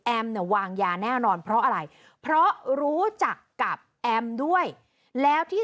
เนี่ยวางยาแน่นอนเพราะอะไรเพราะรู้จักกับแอมด้วยแล้วที่